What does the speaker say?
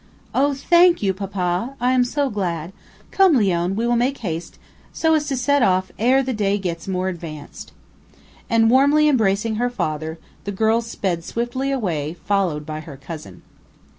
"Oh, thank you, papa! I am so glad! Come, Leone, we will make haste, so as to set off ere the day gets more advanced." And warmly embracing her father, the girl sped swiftly away, followed by her cousin.